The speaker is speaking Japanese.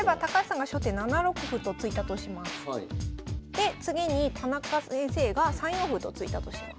で次に田中先生が３四歩と突いたとします。